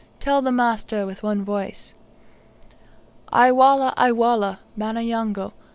tell the master with one voice." "Ay Wallah! Ay Wallah! Bana yango!